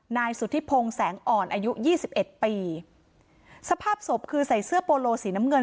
นายสุธิพงศ์แสงอ่อนอายุยี่สิบเอ็ดปีสภาพศพคือใส่เสื้อโปโลสีน้ำเงิน